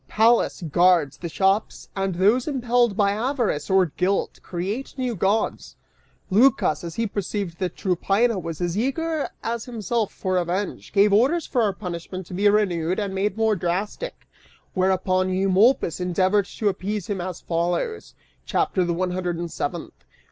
Pallas guards the shops, And those impelled by Avarice or Guilt, create new Gods! (Lycas, as he perceived that Tryphaena was as eager as himself for revenge, gave orders for our punishment to be renewed and made more drastic, whereupon Eumolpus endeavored to appease him as follows,) CHAPTER THE ONE HUNDRED AND SEVENTH.